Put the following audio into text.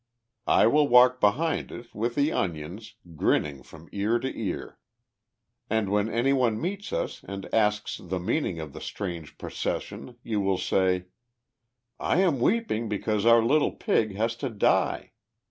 I will walk behind it, with the onions, grinning from ear to ear. And when any one meets us, and asks the meaning of the strange procession, you will say: 'I am weeping because our little pig has to die!'